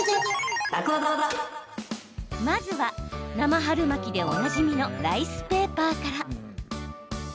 まずは、生春巻きでおなじみのライスペーパーから。